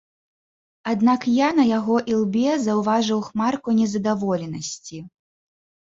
Аднак я на яго ілбе заўважыў хмарку незадаволенасці.